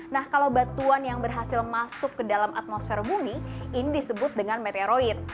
nah kalau batuan yang berhasil masuk ke dalam atmosfer bumi ini disebut dengan meteoroid